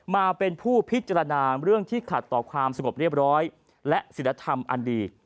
มาเป็นผู้พิจารณาเรื่องที่ขัดต่อความสงบเรียบร้อยและศิลธรรมอันดี